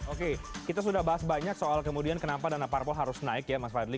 oke kita sudah bahas banyak soal kemudian kenapa dana parpol harus naik ya mas fadli